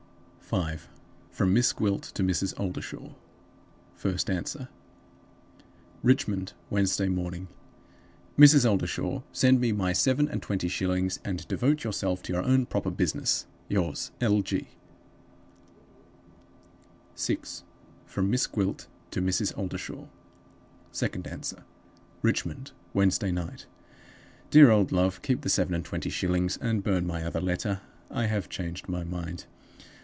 5. From Miss Gwilt to Mrs. Oldershaw. (First Answer.) "Richmond, Wednesday Morning. "MRS. OLDERSHAW Send me my seven and twenty shillings, and devote yourself to your own proper business. Yours, L. G." 6. From Miss Gwilt to Mrs. Oldershaw. (Second Answer.) "Richmond, Wednesday Night. "DEAR OLD LOVE Keep the seven and twenty shillings, and burn my other letter. I have changed my mind.